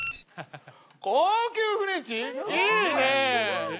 いいね！